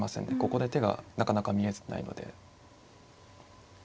ここで手がなかなか見えないので。